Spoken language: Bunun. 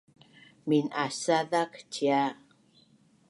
min’asazak cia